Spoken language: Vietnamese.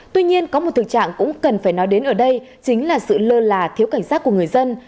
tuy nhiên có một thực trạng cũng cần phải nói đến ở đây chính là sự lơ là thiếu cảnh giác của người dân